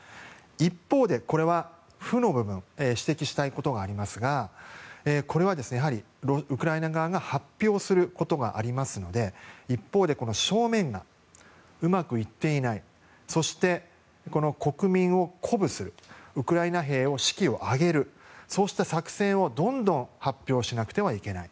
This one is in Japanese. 一方で、これは負の部分指摘したいことがありますがウクライナ側が発表することがありますので一方でうまくいっていないそして、国民を鼓舞するウクライナ兵の士気を上げるそうした作戦をどんどん発表しなくてはいけない。